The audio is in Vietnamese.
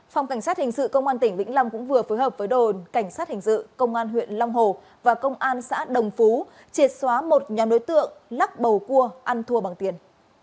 phòng cảnh sát hình sự công an tỉnh vĩnh lâm cũng vừa phối hợp với đồn cảnh sát hình sự công an huyện long hồ và công an xã đồng phú triệt xóa một nhà đối tượng lắc bầu cua ăn thua bằng tiền